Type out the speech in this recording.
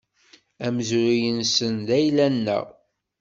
Amezruy-nsen, d ayla-nneɣ.